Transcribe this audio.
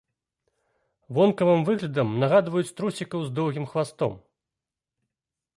Вонкавым выглядам нагадваюць трусікаў з доўгім хвастом.